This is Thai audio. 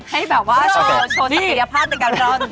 ให้แบบว่าโชว์ศักยภาพในการรอ